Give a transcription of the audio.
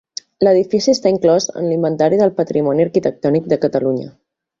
L'edifici està inclòs en l'Inventari del Patrimoni Arquitectònic de Catalunya.